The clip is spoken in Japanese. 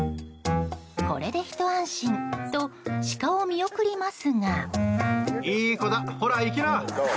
これでひと安心とシカを見送りますが。